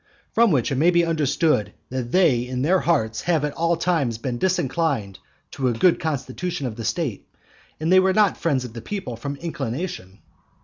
From which it may be understood that they in their hearts have at all times been disinclined to a good constitution of the state, and they were not friends of the people from inclination.